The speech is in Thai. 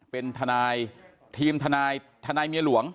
เป็นทีมธนายเมียหลวง